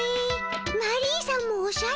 マリーさんもおしゃれ。